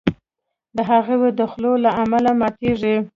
د هغوی د خولو له امله ماتیږي.